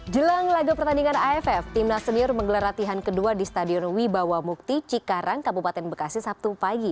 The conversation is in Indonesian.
jelang laga pertandingan aff timnas senior menggelar latihan kedua di stadion wibawa mukti cikarang kabupaten bekasi sabtu pagi